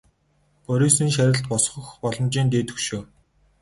Борисын шарилд босгох боломжийн дээд хөшөө.